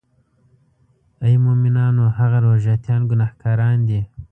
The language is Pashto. آی مومنانو هغه روژه تیان ګناهګاران دي.